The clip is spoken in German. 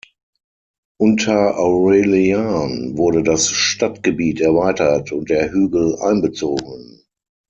Unter Aurelian wurde das Stadtgebiet erweitert und der Hügel einbezogen.